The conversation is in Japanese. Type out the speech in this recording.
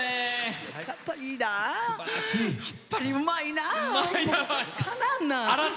やっぱりうまいな。